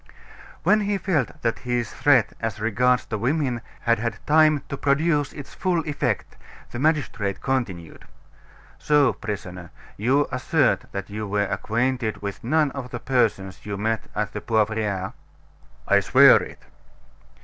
When he felt that his threat as regards the women had had time to produce its full effect, the magistrate continued: "So, prisoner, you assert that you were acquainted with none of the persons you met at the Poivriere." "I swear it."